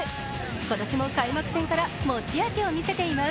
今年も開幕戦から持ち味を見せています。